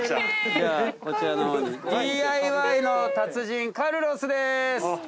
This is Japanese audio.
じゃあこちらのほうにＤＩＹの達人カルロスです。